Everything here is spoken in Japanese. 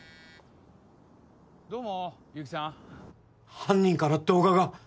犯人から動画が！